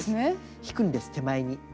引くんです手前に。